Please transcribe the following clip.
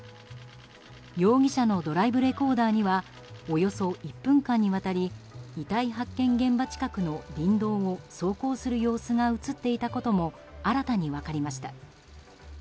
容疑者のドライブレコーダーにはおよそ１分間にわたり遺体発見現場近くの林道を走行する様子が映っていたことも新たに分かりました。